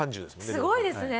すごいですね。